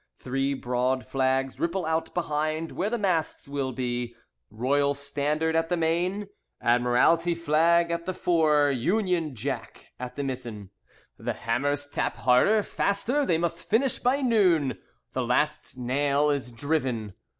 Three broad flags ripple out behind Where the masts will be: Royal Standard at the main, Admiralty flag at the fore, Union Jack at the mizzen. The hammers tap harder, faster, They must finish by noon. The last nail is driven.